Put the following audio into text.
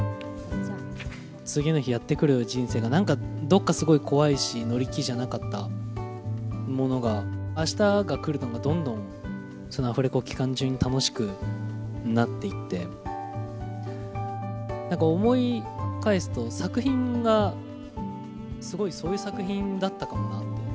次の日やって来る人生がなんかどこかすごい怖いし、乗り気じゃなかったものが、あしたが来るのがどんどんアフレコ期間中に楽しくなっていって、なんか思い返すと、作品がすごいそういう作品だったかもなって。